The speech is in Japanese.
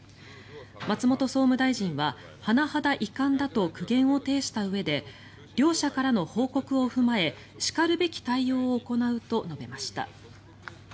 松本総務大臣は、甚だ遺憾だと苦言を呈したうえで両社からの報告を踏まえしかるべき対応を行うと述べました。